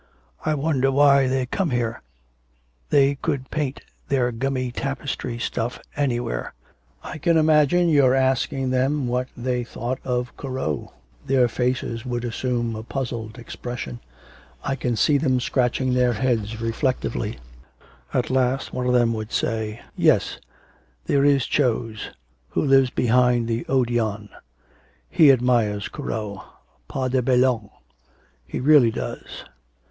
I wonder why they come here? They could paint their gummy tapestry stuff anywhere.' 'I can imagine your asking them what they thought of Corot. Their faces would assume a puzzled expression, I can see them scratching their heads reflectively; at last one of them would say: '"Yes, there is Chose who lives behind the Odeon he admires Corot. Pas de blague, he really does."